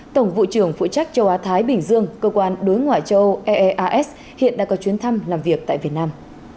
tổng vụ trưởng phụ trách châu á thái bình dương cơ quan đối ngoại châu âu eeas hiện đã có chuyến thăm làm việc tại việt nam